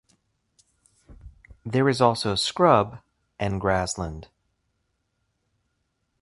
There is also scrub and grassland.